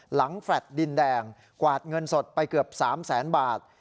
แฟลต์ดินแดงกวาดเงินสดไปเกือบ๓แสนบาท